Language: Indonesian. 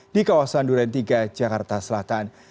di kawasan duren tiga jakarta selatan